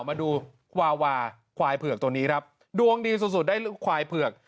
มาดูวาวาควายเผือกตัวนี้ครับดวงดีสุดสุดได้ควายเผือก